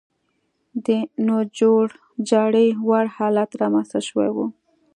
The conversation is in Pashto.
د نه جوړجاړي وړ حالت رامنځته شوی و.